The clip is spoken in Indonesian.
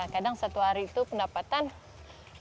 kadang satu hari itu pendapatan dua ratus lebih atau tiga ratus lebih